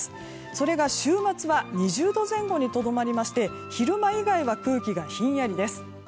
それが週末は２０度前後にとどまりまして昼間以外は空気がひんやりです。